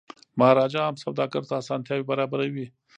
مهاراجا هم سوداګرو ته اسانتیاوي برابروي.